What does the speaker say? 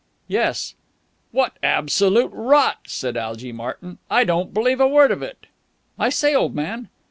"Yes." "What absolute rot!" said Algy Martyn. "I don't believe a word of it!" "I say, old man!"